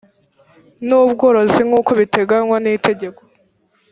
n ubworozi nk uko biteganywa n itegeko